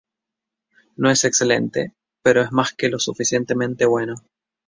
No es excelente, pero es más que lo suficientemente bueno".